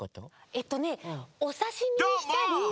えっとねおさしみにしたり。